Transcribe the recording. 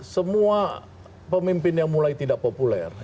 semua pemimpin yang mulai tidak populer